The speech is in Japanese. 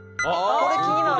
これ気になる。